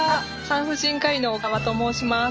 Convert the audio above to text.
産婦人科医の小川と申します。